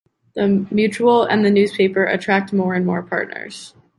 The mutual and the newspaper attract more and more partners.